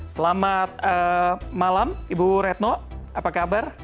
selamat malam ibu retno apa kabar